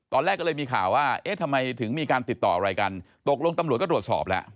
ตอนแรกก็เลยมีข่าวว่าเอ๊ะทำไมถึงมีการติดต่ออะไรกันตกลงตำรวจก็ตรวจสอบแล้ว